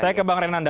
saya ke bang renanda